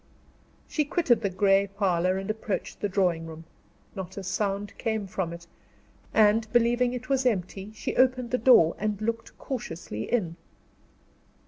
She quitted the gray parlor and approached the drawing room. Not a sound came from it; and, believing it was empty, she opened the door and looked cautiously in.